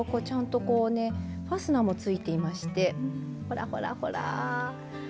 ちゃんとこうねファスナーも付いていましてほらほらほら。